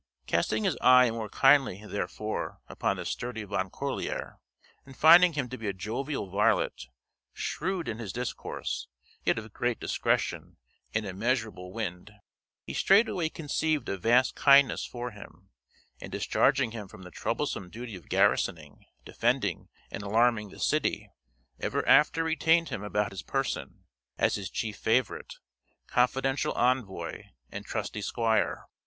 Casting his eye more kindly, therefore, upon the sturdy Van Corlear, and finding him to be a jovial varlet, shrewd in his discourse, yet of great discretion and immeasurable wind, he straightway conceived a vast kindness for him, and discharging him from the troublesome duty of garrisoning, defending, and alarming the city, ever after retained him about his person, as his chief favorite, confidential envoy, and trusty squire.